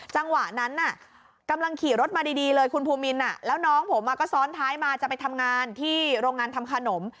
จังหวะนั้นกำลังขี่รถมาดีเลยคุณภูมินแล้วน้องผมก็ซ้อนท้ายมาจะไปทำงานที่โรงงานทำขนม